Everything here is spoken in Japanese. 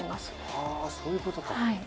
あそういうことか。